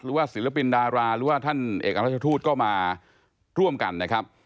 ศิลปินดาราหรือว่าท่านเอกราชทูตก็มาร่วมกันนะครับ